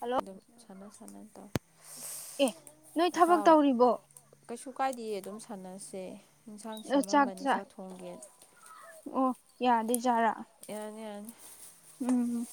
hello ꯑꯗꯨ ꯁꯅꯥ [unintelligible] ꯑꯦ ꯅꯣꯏ ꯊꯕꯛ ꯇꯧꯔꯤꯕꯣ ꯀꯥꯏꯗꯤꯑꯦ ꯑꯗꯨꯝ ꯁꯥꯟꯅꯁꯦ ꯌꯦꯟꯁꯥꯡ ꯁꯦꯝꯃꯝꯕꯅꯦ ꯆꯥꯛ ꯊꯣꯡꯒꯦꯅ ꯌꯥꯗꯩ ꯖꯔ ꯌꯥꯅꯤ ꯌꯥꯅꯤ ꯎꯝꯝ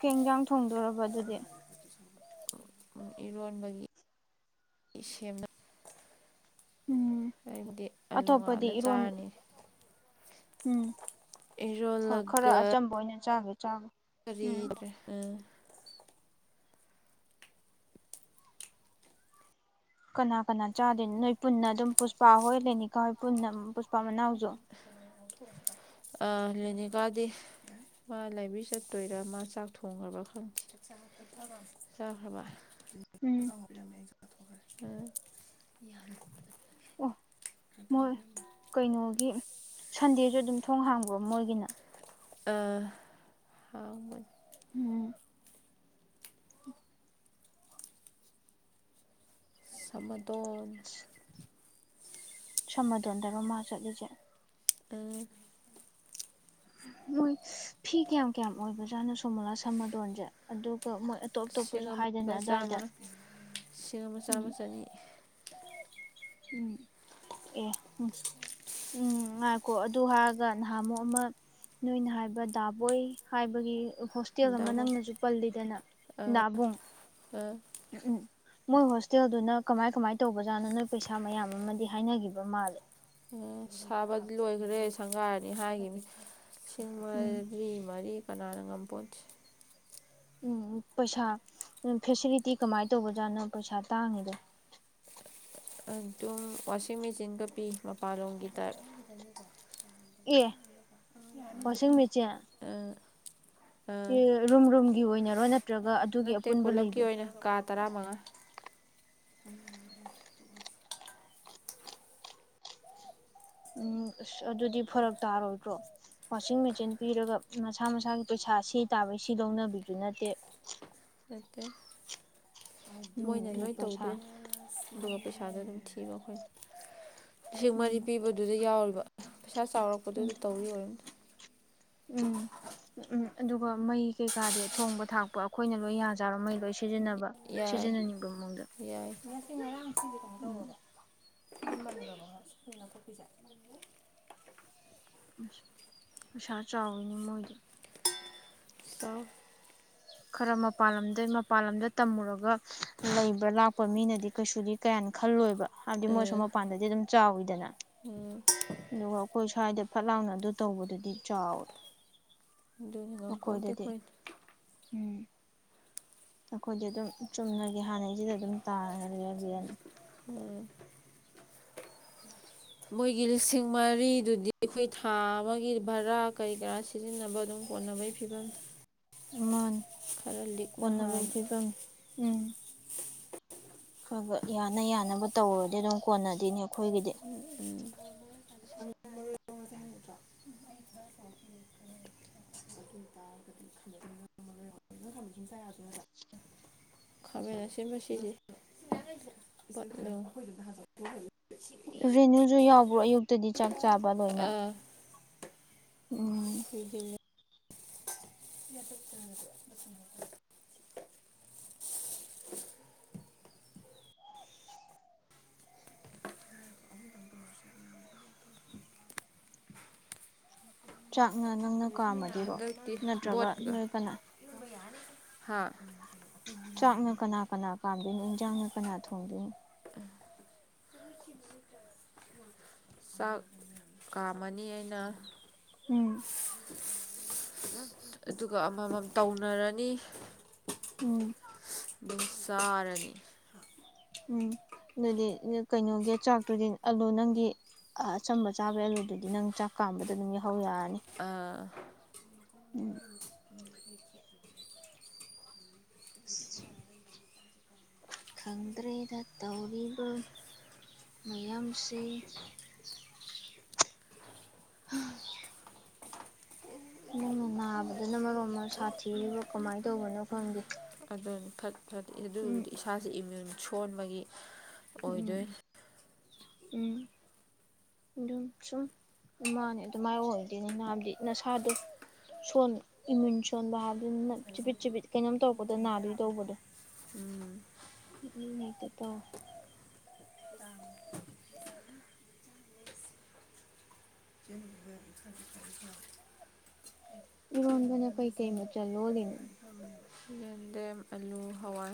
ꯀꯩ ꯌꯦꯟꯖꯥꯡ ꯊꯣꯡꯗꯣꯔꯕ ꯑꯗꯨꯗꯤ ꯏꯔꯣꯟꯕꯒꯤ ꯁꯦꯝꯅ ꯎꯝ ꯑꯩꯕꯨꯗꯤ ꯑꯂꯨ ꯑꯇꯣꯞꯄꯗꯤ ꯉꯥꯜꯂ ꯏꯔꯣꯟ ꯆꯥꯔꯅꯤ ꯎꯝ ꯍꯣꯏ ꯈꯔ ꯏꯔꯣꯜꯂꯒ ꯑꯆꯝꯕ ꯑꯣꯏꯅ ꯆꯥꯒꯩ ꯆꯥꯛ ꯀꯔꯤꯗ꯭ꯔꯦ ꯑ ꯀꯅꯥ ꯀꯅꯥ ꯆꯥꯗꯦꯏꯅꯣ ꯅꯣꯏ ꯄꯨꯟꯅ ꯑꯗꯨꯝ ꯄꯨꯁꯄꯥ ꯍꯣꯏ ꯂꯦꯅꯤꯀꯥ ꯍꯣꯏ ꯄꯨꯟꯅ ꯄꯥ ꯃꯅꯥꯎꯖꯨ ꯑ ꯂꯦꯅꯤꯕꯥꯗꯤ ꯃꯥ ꯂꯥꯏꯕ꯭ꯔꯤ ꯆꯠꯇꯣꯏꯔꯥ ꯃꯥ ꯆꯥꯛ ꯊꯣꯡꯈ꯭ꯔꯕ ꯈꯪꯗꯦ ꯆꯥꯈ꯭ꯔꯕ ꯎꯝ ꯑꯥ [unintelligible] ꯑꯣ ꯃꯣꯏ ꯀꯩꯅꯣ ꯑꯦ ꯁꯟꯗꯦꯁꯨ ꯑꯗꯨꯝ ꯊꯣꯡ ꯍꯥꯡꯕ꯭ꯔꯣ ꯃꯣꯏꯒꯤꯅ ꯑ ꯍꯥꯎ ꯃ ꯎꯝ [inaudible] ꯁꯃꯠ [unintelligible] ꯁꯃꯗꯣꯟꯗꯔꯣ ꯃꯥ ꯆꯠꯂꯤꯁꯦ ꯎꯝ ꯃꯣꯏ ꯐꯤ ꯀꯌꯥꯝ ꯀꯌꯥꯝ ꯑꯣꯏꯕꯖꯥꯠꯅꯣ ꯁꯣꯃꯣꯂꯥ ꯁꯝ ꯃꯇꯣꯟꯖꯦ ꯑꯗꯨꯒ ꯃꯣꯏ ꯑꯇꯣꯞ ꯂꯤꯁꯤꯡ ꯑꯇꯣꯞꯄꯁꯨ ꯍꯥꯏꯗꯅ ꯑꯗꯨꯋꯥꯏꯗ ꯁꯤꯡ ꯑꯃ ꯆꯥꯝꯃ ꯎꯝ ꯆꯅꯤ ꯎꯝ ꯑꯦ ꯎ ꯎꯝ ꯉꯥꯏꯈꯣ ꯑꯗꯨ ꯍꯥꯏꯔꯒ ꯅꯍꯥꯃꯨꯛ ꯑꯃ ꯅꯣꯏꯅ ꯍꯥꯏꯕ ꯗꯥꯕꯣꯏ ꯍꯥꯏꯕꯒꯤ ꯍꯣꯁꯇꯦꯜ ꯑꯃ ꯗꯥꯕꯨꯡ ꯅꯪꯅꯁꯨ ꯄꯜꯂꯤꯗꯅ ꯑꯥ ꯅꯥꯕꯨꯡ ꯑꯥ ꯎꯝ ꯎꯝ ꯃꯣꯏ ꯍꯣꯁꯇꯦꯜꯗꯨꯅ ꯀꯃꯥꯏ ꯀꯃꯥꯏ ꯇꯧꯕꯖꯥꯠꯅꯣ ꯅꯣꯏ ꯄꯩꯁꯥ ꯃꯌꯥꯝ ꯑꯃꯗꯤ ꯍꯥꯏꯅꯈꯤꯕ ꯃꯥꯜꯂꯦ ꯎꯝ ꯁꯥꯕꯗꯤ ꯂꯣꯏꯈ꯭ꯔꯦ ꯁꯪꯒꯥꯔꯅꯤ ꯍꯥꯏꯒꯤꯝꯅꯤ ꯂꯤꯁꯤꯡ ꯎꯝ ꯃꯔꯤ ꯃꯔꯤ ꯀꯅꯥꯅ ꯉꯝꯄꯣꯠꯇꯦ ꯎꯝꯎ ꯄꯩꯁꯥ ꯎ ꯐꯦꯁꯤꯂꯤꯇꯤ ꯀꯃꯥꯏ ꯇꯧꯕꯖꯥꯠꯅꯣ ꯄꯩꯁꯥ ꯇꯥꯡꯉꯤꯗꯣ ꯑꯗꯨꯝ ꯋꯥꯁꯤꯡ ꯃꯦꯆꯤꯟꯒ ꯄꯤ ꯃꯄꯥꯟꯂꯣꯝꯒꯤ ꯇꯥꯏꯞ ꯑꯦ ꯋꯥꯁꯤꯡ ꯃꯦꯆꯤꯟ ꯑꯦ ꯔꯨꯝ ꯔꯨꯝꯒꯤ ꯑꯣꯏꯅꯔꯣ ꯅꯠꯇ꯭ꯔꯒ ꯑꯗꯨꯒꯤ ꯑꯄꯨꯟꯕ ꯂꯩꯕꯔꯣ ꯇꯔꯥ ꯃꯉꯥ ꯎꯝ ꯑꯁ ꯑꯗꯨꯗꯤ ꯐꯔꯛ ꯇꯥꯔꯣꯏꯗ꯭ꯔꯣ ꯋꯥꯁꯤꯡ ꯃꯦꯆꯤꯟ ꯄꯤꯔꯒ ꯃꯁꯥ ꯃꯁꯥꯒꯤ ꯄꯩꯁꯥ ꯁꯤ ꯇꯥꯕꯩ ꯁꯤ ꯂꯧꯅꯕꯤꯁꯨ ꯅꯠꯇꯦ ꯅꯠꯇꯦ ꯎꯝ ꯃꯣꯏꯅ ꯑꯗꯨ ꯂꯣꯏ ꯄꯩꯁꯥ ꯇꯧꯗꯣꯏꯅꯦ ꯑꯗꯨꯒ ꯄꯩꯁꯥ [unintelligible] ꯊꯤꯕ ꯑꯩꯈꯣꯏꯅ ꯂꯤꯁꯤꯡ ꯃꯔꯤ ꯎꯝ ꯄꯤꯕꯗꯨꯗ ꯌꯥꯎꯔꯤꯕ ꯄꯩꯁꯥ ꯆꯥꯎꯔꯛꯄꯗꯨꯗ ꯇꯧꯔꯤ ꯑꯣꯔꯝꯅꯤ ꯎꯝ ꯎꯝ ꯎꯝ ꯑꯗꯨꯒ ꯃꯩ ꯀꯩꯀꯥꯗꯤ ꯊꯣꯡꯕ ꯊꯥꯛꯄ ꯑꯩꯈꯣꯏꯅ ꯂꯣꯏ ꯌꯥꯖꯥꯔꯣ ꯃꯩ ꯂꯣꯏ ꯁꯤꯖꯤꯟꯅꯕ ꯌꯥꯏ ꯁꯤꯖꯤꯟꯅꯅꯤꯡꯕ ꯃꯑꯣꯡꯗ ꯌꯥꯏ ꯎꯝ [unintelligible] ꯑꯁ ꯄꯩꯁꯥ ꯆꯥꯎꯋꯤꯅꯦ ꯃꯣꯏꯗꯣ ꯇꯧ ꯈꯔ ꯃꯄꯜ ꯂꯝꯗꯩ ꯃꯄꯥꯟ ꯂꯝꯗ ꯇꯝꯃꯨꯔꯒ ꯂꯩꯕ꯭ꯔꯥ ꯂꯥꯛꯄ ꯃꯤꯅꯗꯤ ꯀꯩꯁꯨꯗꯤ ꯀꯌꯥꯅ ꯈꯜꯂꯣꯏꯕ ꯍꯥꯏꯗꯤ ꯃꯣꯏ ꯁꯣꯝ ꯃꯄꯥꯟꯗꯗꯤ ꯑꯗꯨꯝ ꯆꯥꯎꯋꯤꯗꯅ ꯑꯗꯨꯒ ꯑꯩꯈꯣꯏ ꯁ꯭ꯋꯥꯏꯗ ꯐꯠ ꯂꯥꯎꯅ ꯑꯗꯨ ꯇꯧꯕꯗꯨꯗꯤ ꯆꯥꯎꯋꯦ ꯑꯗꯨꯒ ꯉꯝꯄꯣꯠꯇꯦ ꯑꯩꯈꯣꯏꯗꯗꯤ ꯑꯈꯣꯏꯅ ꯎꯝ ꯑꯩꯈꯣꯏꯗꯤ ꯑꯗꯨꯝ ꯆꯨꯝꯅꯒꯦ ꯍꯥꯟꯅꯩꯁꯤꯗ ꯑꯗꯨꯝ ꯇꯥꯍꯔꯒꯦꯅ ꯎꯝ ꯃꯣꯏꯒꯤ ꯂꯤꯁꯤꯡ ꯃꯔꯤꯗꯨꯗꯤ ꯑꯩꯈꯣꯏ ꯊꯥ ꯑꯃꯒꯤ ꯚꯔꯥ ꯀꯔꯤ ꯀꯔꯥ ꯁꯤꯖꯤꯟꯅꯕ ꯑꯗꯨꯝ ꯀꯣꯟꯅꯕꯩ ꯐꯤꯕꯝꯅꯤ ꯏꯃꯥꯟ ꯀꯣꯟꯅꯕꯩ ꯍꯥꯟꯅ ꯐꯤꯕꯝꯅꯦ ꯎꯝ ꯈ ꯒꯥ ꯌꯥꯅ ꯌꯥꯅꯕ ꯇꯧꯔꯨꯔꯗꯤ ꯑꯗꯨꯝ ꯀꯣꯟꯅꯗꯩꯅꯦ ꯑꯩꯈꯣꯏꯒꯤꯗꯤ ꯎꯝ [inaudible] ꯈꯥꯃꯦꯟ ꯑꯁꯤꯟꯕꯁꯤ [unintelligible] ꯔꯦꯅꯨꯁꯨ ꯌꯥꯎꯕ꯭ꯔꯣ ꯑꯌꯨꯛ ꯇꯗꯤ ꯆꯥꯛ ꯆꯥꯕ ꯂꯣꯏꯅ ꯎꯝ [unintelligible] [unintelligible] ꯆꯥꯛ ꯅꯪꯅ ꯅꯪꯅ ꯀꯥꯝꯃꯔꯤꯔꯣ ꯍꯟꯗꯛꯇꯤ ꯅꯠꯇ꯭ꯔꯒ ꯅꯣꯏ ꯀꯅꯥ ꯍꯥꯥ ꯆꯥꯛꯅ ꯀꯅꯥ ꯀꯅꯥ ꯀꯥꯝ ꯏꯟꯖꯥꯡꯅ ꯀꯅꯥ ꯊꯣꯡꯗꯣꯏꯅꯣ ꯆꯥꯛ ꯀꯥꯝꯃꯅꯤ ꯑꯩꯅ ꯎꯝ [unintelligible] ꯑꯗꯨꯒ ꯑꯃꯃꯝ ꯇꯧ ꯃꯔꯅꯤ ꯎꯝ [unintelligible] ꯁꯥꯥꯔꯅꯤ ꯎꯝ ꯑꯗꯨꯗꯤ ꯅ ꯀꯩꯅꯣꯒꯤ ꯆꯥꯛꯇꯨꯗꯤ ꯑꯂꯨ ꯅꯪꯒꯤ ꯑꯆꯝꯕ ꯆꯥꯕꯩ ꯑꯂꯨꯗꯨꯗꯤ ꯅꯪ ꯆꯥꯛ ꯀꯥꯝꯕꯗ ꯑꯗꯨꯝ ꯌꯥꯎꯍꯧ ꯌꯥꯔꯅꯤ ꯑꯥ ꯎꯝ ꯑꯁ ꯈꯪꯗ꯭ꯔꯦꯗ ꯇꯧꯔꯤꯕ ꯃꯌꯥꯝꯁꯦ ꯍꯥꯝ ꯅꯪꯅ ꯅꯥꯕꯗꯅ ꯃꯔꯣꯝꯃ ꯁꯥꯊꯤꯔꯤꯕ ꯀꯃꯥꯏ ꯇꯧꯕꯅꯣ ꯈꯪꯗꯦ ꯑꯗꯨꯅꯤ ꯐꯠ ꯎꯝ ꯑꯗꯨꯕꯨꯗꯤ ꯏꯁꯥꯁꯦ ꯏꯃꯨꯟ ꯁꯣꯟꯕꯒꯤ ꯎꯝ ꯑꯣꯏꯗꯣꯏꯅꯤ ꯎꯝ ꯑꯗꯨꯝ ꯁꯨꯝ ꯏꯃꯥꯅꯦ ꯑꯗꯨꯃꯥꯏ ꯑꯣꯏꯗꯣꯏꯅꯤ ꯅꯥꯟꯗꯤ ꯅꯁꯥꯗꯣ ꯁꯣꯟ ꯏꯃꯨꯟ ꯁꯣꯟꯕ ꯍꯥꯏꯕꯗꯨꯅꯤꯅ ꯆꯤꯕꯤꯠ ꯆꯤꯕꯤꯠ ꯀꯩꯅꯣꯝ ꯇꯧꯔꯛꯄꯗ ꯅꯥꯗꯣꯏ ꯇꯧꯕꯗꯣ [unintelligible] ꯏꯔꯣꯟꯕꯅ ꯀꯩ ꯀꯩ ꯃꯆꯜ ꯂꯣꯂꯤꯅꯣ ꯌꯦꯟꯗꯦꯝ ꯑꯂꯨ ꯍꯋꯥꯏ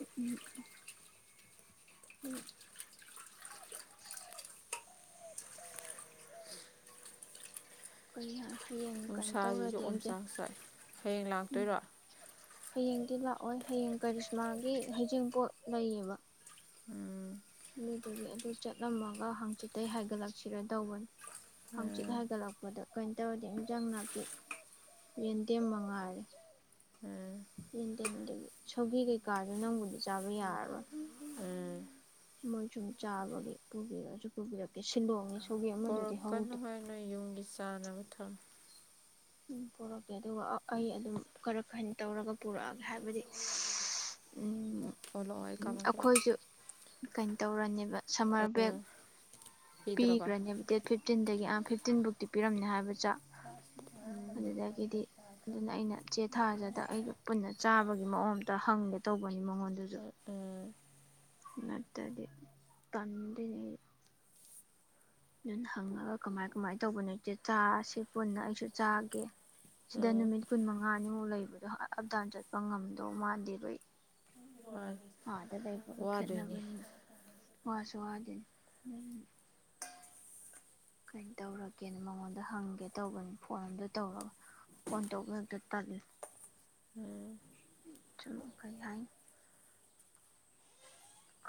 ꯎꯝ ꯎꯝ ꯀꯩ ꯍꯥ ꯅꯨꯡꯁꯥꯁꯤꯁꯨ ꯑꯣꯝꯆꯥꯛ ꯆꯥꯛꯑꯦ ꯍꯌꯦꯡ ꯎꯝ ꯂꯥꯛꯇꯣꯏꯔꯣ ꯍꯌꯦꯡꯗꯤ ꯂꯥꯛꯑꯣꯏ ꯍꯌꯦꯡ ꯀꯔꯤꯁꯃꯥꯒꯤ ꯍꯩꯖꯤꯡꯄꯣꯠ ꯂꯩꯌꯦꯕ ꯎꯝ ꯑꯗꯨꯗꯨꯒꯤ ꯑꯗꯨ ꯆꯠꯂꯝꯃꯒ ꯍꯡꯆꯤꯠꯇꯩ ꯍꯥꯏꯒꯠꯂꯛꯁꯤꯔ ꯇꯧꯕꯅꯤ ꯍꯡꯆꯤꯠ ꯎꯝ ꯍꯥꯏꯒꯠꯂꯛꯄꯗ ꯀꯩꯅ ꯇꯧꯔꯗꯤ ꯍꯤꯟꯖꯥꯡ ꯅꯥꯄꯤ ꯌꯦꯟꯗꯦꯝ ꯃꯉꯥꯏꯔꯦ ꯎꯝ ꯌꯦꯟꯗꯦꯝꯗꯨꯒꯤ ꯁꯧꯒꯤ ꯀꯩꯀꯥꯗ ꯅꯪꯕꯨꯗꯤ ꯆꯥꯕ ꯌꯥꯔꯔꯣꯏ ꯎꯝ ꯃꯣꯏ ꯁꯨꯝ ꯆꯥꯕꯒꯤ ꯄꯨꯕꯤꯔꯛꯑꯁꯨ ꯄꯨꯕꯤꯔꯛꯀꯦ ꯁꯤꯜꯂꯣꯡꯅꯦ ꯁꯧꯒꯤ ꯑꯃꯗꯨ ꯄꯛꯀꯅꯨ ꯍꯦ ꯅꯣꯏ ꯌꯨꯝꯒꯤ ꯆꯥꯅꯕ ꯊꯝꯃ ꯎꯝ ꯄꯨꯔꯛꯀꯦ ꯑꯗꯨꯒ ꯑꯩ ꯑꯗꯨꯝ ꯈꯔ ꯈꯅ ꯇꯧꯔꯒ ꯄꯨꯔꯛꯑꯒꯦ ꯍꯥꯏꯕꯗꯤ ꯁꯤ ꯎꯝ ꯑꯣꯂꯛꯑꯣ ꯑꯩ ꯀꯝꯃꯛ ꯀꯦ ꯂꯥꯀ ꯑꯣ ꯀꯩꯅ ꯇꯧꯔꯅꯦꯕ ꯁꯝꯃꯔ ꯕꯦꯛ ꯄꯤꯗꯣꯔꯕ ꯄꯤꯒꯔꯥꯅꯦꯕ ꯗꯦꯠ ꯐꯤꯞꯇꯤꯟꯗꯒꯤ ꯑ ꯐꯤꯞꯇꯤꯟ ꯕꯨꯛꯇꯤ ꯄꯤꯔꯝꯅꯤ ꯍꯥꯏꯕ ꯆꯥꯛ ꯑꯗꯨꯗꯒꯤꯗꯤ ꯑꯗꯨꯅ ꯑꯩꯅ ꯆꯦ ꯊꯥꯖꯗ ꯑꯩꯒ ꯄꯨꯟꯅ ꯆꯥꯕꯒꯤ ꯃꯑꯣꯡ ꯑꯃꯇ ꯍꯪꯒꯦ ꯇꯧꯕꯅꯤ ꯃꯉꯣꯟꯗꯨꯖꯨ ꯎꯝ ꯅꯠꯇꯗꯤ ꯇꯟꯗꯣꯏꯅꯤ ꯑꯩ ꯑꯗꯨꯅ ꯍꯪꯉꯒ ꯀꯃꯥꯏ ꯀꯃꯥꯏ ꯇꯧꯕꯅꯣ ꯏꯆꯦꯊꯥ ꯁꯤ ꯄꯨꯟꯅ ꯑꯩꯁꯨ ꯆꯥꯒꯦ ꯁꯤꯗ ꯎꯝ ꯅꯨꯃꯤꯠ ꯀꯨꯟ ꯃꯉꯥꯅꯤꯃꯨꯛ ꯂꯩꯕꯗꯣ ꯑꯞ ꯗꯥꯎꯟ ꯆꯠꯄ ꯉꯝꯗꯧ ꯃꯥꯥꯟꯗꯦꯕ ꯑꯩ ꯃꯥꯅꯤ ꯗ ꯂꯩꯕꯒ ꯋꯥꯗꯣꯏꯅꯦ ꯈꯦꯠꯅꯕꯅꯤꯅ ꯋꯥꯁꯨ ꯋꯥꯗꯦ ꯀꯩꯗꯧꯔꯒꯦꯅ ꯃꯉꯣꯟꯗ ꯍꯪꯒꯦ ꯇꯧꯕꯅꯤ ꯐꯣꯟ ꯑꯝꯇ ꯇꯧꯔꯒ ꯐꯣꯟ ꯇꯧꯕꯗꯣ ꯍꯦꯛꯇꯥ ꯇꯜꯂꯦ ꯁꯨꯝ ꯀꯩ ꯍꯥꯏꯅꯤ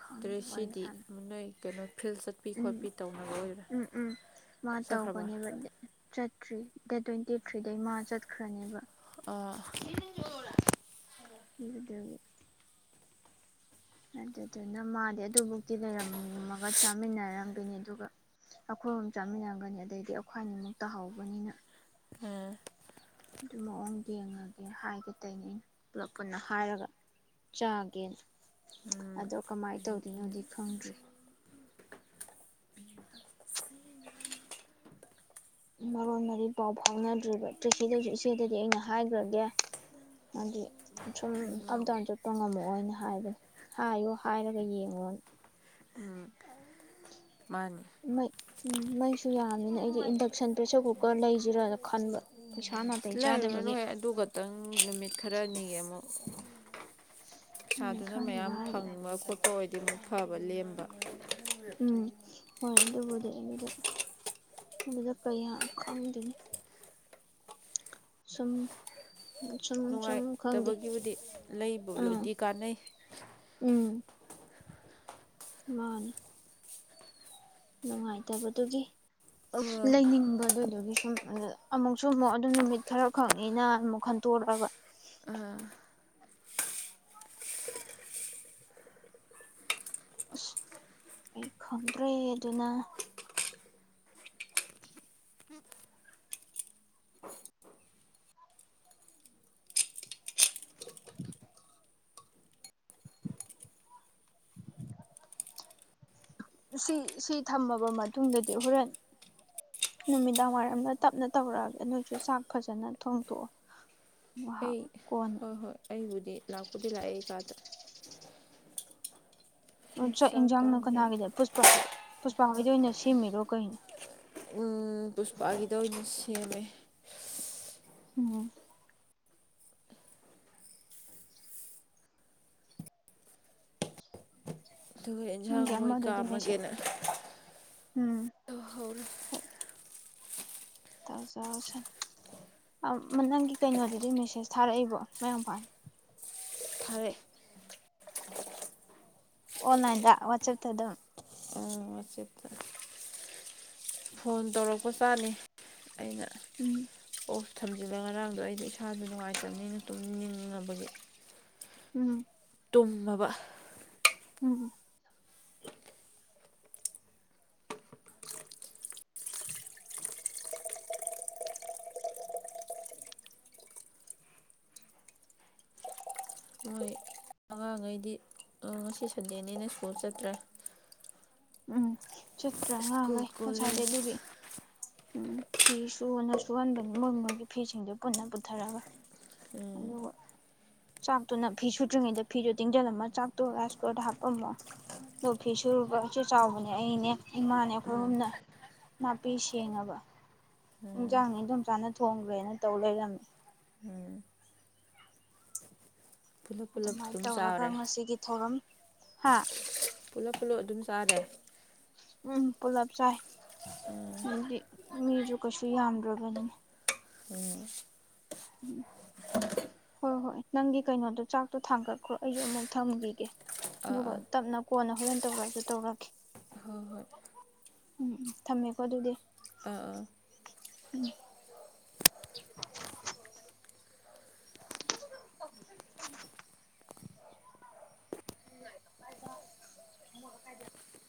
ꯈꯪꯗꯦ ꯋꯥꯔꯤ ꯇꯔ꯭ꯦꯁꯤꯗꯤ ꯁꯥꯟꯅ ꯃ ꯅꯣꯏ ꯀꯩꯅꯣ ꯐꯤꯜ ꯆꯠꯄꯤ ꯈꯣꯠꯄꯤ ꯎꯝ ꯇꯧꯅꯕꯣꯏꯔꯦ ꯎꯝ ꯎꯝ ꯃꯥ ꯆꯠꯈ꯭ꯔꯕ ꯇꯧꯒꯅꯦꯕ ꯆꯠꯇ꯭ꯔꯤ ꯗꯦꯠ ꯇ꯭ꯋꯦꯟꯇꯤ ꯊꯨꯏꯔꯤꯗꯩ ꯃꯥ ꯆꯠꯈ꯭ꯔꯅꯦꯕ ꯑꯥ ꯑꯗꯨꯗꯨꯒꯤ ꯑꯗꯨꯗꯨꯅ ꯃꯥꯗꯤ ꯑꯗꯨꯕꯨꯧꯛꯇꯤ ꯂꯩꯔꯝꯃꯒ ꯆꯥꯃꯤꯟꯅꯔꯝꯒꯅꯤ ꯑꯗꯨꯒ ꯑꯈꯣꯏ ꯑꯍꯨꯝ ꯆꯥꯃꯤꯟꯅꯔꯝꯒꯅꯤ ꯑꯗꯩꯗꯤ ꯑꯈ꯭ꯏꯅꯤꯃꯨꯛ ꯇꯥꯍꯧꯕꯅꯤꯅ ꯎꯝ ꯑꯗꯨ ꯃꯑꯣꯡ ꯌꯦꯡꯉꯒꯦ ꯍꯥꯏꯒꯦ ꯇꯩꯅꯦ ꯄꯨꯂꯞ ꯄꯨꯟꯅ ꯍꯥꯏꯔꯒ ꯆꯥꯒꯦꯅ ꯎꯝ ꯑꯗꯣ ꯀꯃꯥꯏ ꯇꯧꯗꯣꯏꯅꯣꯗꯤ ꯈꯪꯗ꯭ꯔꯤ ꯃꯔꯣꯟ ꯃꯔꯤ ꯄꯥꯎ ꯐꯥꯎꯅꯗ꯭ꯔꯤꯕ ꯇꯔꯦꯀꯤꯗꯁꯨ ꯏꯆꯦꯗꯗꯤ ꯑꯩꯅ ꯍꯥꯏꯈ꯭ꯔꯒꯦ ꯃꯥꯗꯤ ꯁꯨꯝ ꯑꯞ ꯗꯥꯎꯟ ꯆꯠꯄ ꯉꯝꯃꯛꯑꯣꯅ ꯍꯥꯏꯕꯅꯦ ꯍꯥꯏꯌꯣ ꯍꯥꯏꯔꯒ ꯌꯦꯡꯉꯣ ꯎꯝ ꯃꯥꯅꯤ ꯃꯩ ꯎꯝ ꯃꯩꯁꯨ ꯌꯥꯝꯅꯤꯅ ꯑꯩꯒꯤ ꯏꯟꯗꯛꯁꯟ ꯄ꯭ꯔꯦꯁꯔ ꯀꯨꯀꯔ ꯂꯩꯁꯤꯔꯥꯅ ꯈꯟꯕ ꯄꯩꯁꯥ ꯅꯥꯇꯩ ꯂꯩꯔꯨꯔꯥꯅꯨ ꯆꯥꯗꯕꯒꯤ ꯍꯦ ꯑꯗꯨꯒꯇꯪ ꯅꯨꯃꯤꯠ ꯈꯔꯅꯤꯒꯤ ꯑꯃꯨꯛ ꯅꯨꯃꯤꯠ ꯁꯥꯗꯨꯅ ꯈꯔꯅꯤꯒ ꯃꯌꯥꯝ ꯍꯥꯏꯈꯤꯕꯅꯦ ꯐꯪꯕ ꯈꯣꯠꯄ ꯑꯣꯏ ꯂꯦꯝꯕ ꯐꯕ ꯂꯦꯝꯕ ꯎꯝ ꯍꯣꯏ ꯑꯗꯨꯕꯨꯗꯤ ꯑꯩꯅꯗ ꯑꯗꯨꯗ ꯀꯌꯥ ꯈꯪꯗꯦꯅꯦ ꯁꯨꯝ ꯁꯨꯝ ꯁꯨꯝ ꯈꯪꯗꯦ ꯇꯕꯒꯤꯕꯨꯗꯤ ꯑꯥ ꯂꯩꯕꯕꯨꯗꯤ ꯀꯥꯅꯩ ꯎꯝ ꯃꯥꯅꯤ ꯅꯨꯡꯉꯥꯏꯇꯕꯗꯨꯒꯤ ꯂꯩꯅꯤꯡꯕ ꯑꯗꯨꯗꯨꯒꯤ ꯁꯨꯝ ꯑꯃꯨꯛꯁꯨ ꯑꯃꯨꯛ ꯑꯗꯨ ꯅꯨꯃꯤꯠ ꯈꯔ ꯈꯛꯅꯤꯅ ꯑꯃꯨꯛ ꯈꯟꯇꯣꯔꯛꯑꯕ ꯑꯁ ꯑꯩ ꯈꯪꯗ꯭ꯔꯦ ꯑꯗꯨꯅ ꯁꯤ ꯁꯤ ꯊꯝꯃꯕ ꯃꯇꯨꯡꯗꯗꯤ ꯍꯣꯔꯦꯟ ꯅꯨꯃꯤꯗꯥꯡ ꯋꯥꯏꯔꯝꯗ ꯇꯞꯅ ꯇꯧꯔꯛꯑꯒꯦ ꯅꯣꯏꯁꯨ ꯆꯥꯛ ꯐꯖꯅ ꯊꯣꯡꯇꯣꯛꯑꯣ ꯉꯥꯍꯛ ꯑꯩ ꯍꯣꯏ ꯍꯣꯏ ꯑꯩꯕꯨꯗꯤ ꯂꯥꯛꯄꯨꯗꯤ ꯂꯥꯛꯑꯦ ꯀꯥꯗ ꯑꯣ ꯆꯥꯛ ꯌꯦꯟꯁꯥꯡꯅꯣ ꯀꯅꯥꯒꯤꯗ ꯄꯨꯁꯄꯥ ꯄꯨꯁ ꯆꯥꯎꯩꯗ ꯑꯣꯏꯅ ꯁꯦꯝꯃꯤꯔꯣ ꯀꯩꯅꯣ [unintelligible] ꯎꯝ ꯄꯨꯁꯄꯥꯒꯤꯗ ꯍꯧꯁꯨ ꯁꯦꯝꯃꯦ ꯎꯝ ꯑꯗꯨꯒ ꯑꯦꯟꯖꯥꯡ ꯅꯪꯒꯤ ꯑꯃꯗꯨꯗꯤ ꯃꯦꯁꯦꯖ ꯎꯝ ꯇꯧꯖꯁꯅꯤ ꯅꯪꯒꯤ ꯀꯩꯅꯣꯗꯨꯗꯤ ꯃꯦꯁꯦꯁ ꯊꯥꯔꯛꯏꯕꯣ ꯃꯌꯥꯝꯄꯥꯅ [unintelligible] ꯊꯥꯔꯛꯑꯦ ꯑꯣꯟꯂꯥꯏꯟꯗ ꯋꯥꯠꯁꯑꯞ ꯇ ꯑꯗꯨꯝ ꯋꯥꯆꯦꯞꯇ ꯐꯣꯟ ꯇꯧꯔꯛꯄ ꯆꯥꯅꯤ ꯑꯩꯅ ꯎꯝ ꯑꯣ ꯊꯝꯖꯤꯜꯂꯒ ꯉꯔꯥꯡꯗꯣ ꯑꯩꯗ ꯏꯁꯥꯗ ꯅꯨꯡꯉꯥꯏꯇꯕꯅꯤꯅ ꯇꯨꯝꯅꯤꯡꯉꯕꯒꯤ ꯎꯝ ꯇꯨꯝꯃꯕ ꯎꯝ ꯎꯝ ꯪꯉꯩꯗꯤ ꯉꯁꯤ ꯁꯟꯗꯦꯅꯦꯅ ꯁ꯭ꯀꯨꯜ ꯆꯠꯇ꯭ꯔꯦ ꯎꯝ ꯆꯠꯇ꯭ꯔꯦ ꯁ꯭ꯀꯨꯜ ꯉꯉꯥꯡꯈꯩ ꯉꯁꯥꯏꯗꯤꯩ ꯀꯣꯂꯦꯖ ꯑꯗꯨꯒꯤ ꯎꯝ ꯐꯤ ꯁꯨꯅ ꯁꯨꯍꯟꯕꯅꯤ ꯃꯣꯏ ꯃꯣꯏꯒꯤ ꯐꯤꯁꯤꯡꯗꯨꯣ ꯄꯨꯟꯅ ꯄꯨꯊꯔꯒ ꯑꯗꯨꯒ ꯆꯥꯛꯇꯨꯅ ꯐꯤ ꯁꯨꯗ꯭ꯔꯤꯉꯩꯗ ꯐꯤꯗꯣ ꯇꯤꯡꯁꯤꯜꯂꯝꯃ ꯆꯥꯛꯇꯣ ꯔꯥꯏꯁ ꯀꯨꯀꯔꯗ ꯍꯥꯞꯄꯝꯃꯣ ꯑꯗꯣ ꯐꯤ ꯁꯨꯔꯨꯕꯁꯨ ꯆꯥꯎꯕꯅꯦ ꯑꯩꯅꯦ ꯏꯃꯥꯅꯦ ꯑꯩꯈꯣꯏ ꯍꯨꯝꯅ ꯅꯥꯄꯤꯁ ꯊꯦꯡꯑꯕ ꯎꯝ ꯏꯟꯁꯥꯡ ꯏꯗꯝ ꯆꯥꯅ ꯊꯣꯡꯈ꯭ꯔꯦꯅ ꯇꯧ ꯂꯩꯔꯝꯃꯤ ꯎꯝ ꯄꯨꯂꯞ ꯄꯨꯂꯞ ꯑꯗꯨꯃꯥꯏꯅ ꯑꯗꯨꯝ ꯇꯧꯔꯒ ꯆꯥꯔꯦ ꯉꯁꯤꯒꯤ ꯊꯧꯔꯝ ꯍꯥꯥ ꯄꯨꯂꯞ ꯄꯨꯂꯞ ꯑꯗꯨꯝ ꯆꯥꯔꯦ ꯎꯝ ꯄꯨꯂꯞ ꯆꯥꯏ ꯎꯝ ꯗꯨꯗꯤ ꯃꯤꯁꯨ ꯀꯩꯁꯨ ꯌꯥꯝꯗ꯭ꯔꯣꯕꯅꯤꯅꯦ ꯎꯝ ꯎꯝ ꯍꯣꯏ ꯍꯣꯏ ꯅꯪꯒꯤ ꯀꯩꯅꯣꯗꯣ ꯆꯥꯛꯇꯣ ꯊꯥꯡꯒꯠꯈ꯭ꯔꯣ ꯑꯩꯁꯨ ꯑꯃꯨꯛ ꯊꯝꯈꯤꯒꯦ ꯑꯗꯨꯒ ꯑꯥ ꯇꯞꯅ ꯀꯣꯟꯅ ꯍꯣꯔꯦꯟ ꯇꯧꯔꯛꯁꯨ ꯇꯧꯔꯛꯀꯦ ꯑꯥ ꯍꯣꯏ ꯍꯣꯏ ꯎꯝ ꯎꯝ ꯊꯝꯃꯦꯀꯣ ꯑꯗꯨꯗꯤ ꯑꯥ ꯑꯥ ꯎꯝ [inaudible] [unintelligible]